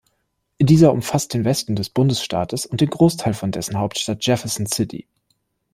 Dieser umfasst den Westen des Bundesstaates und den Großteil von dessen Hauptstadt Jefferson City.